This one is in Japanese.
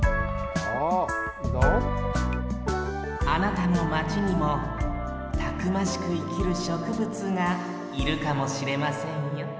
あなたのマチにもたくましくいきるしょくぶつがいるかもしれませんよ